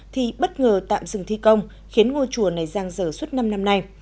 thì bất ngờ tạm dừng thi công khiến ngôi chùa này giang dở suốt năm năm nay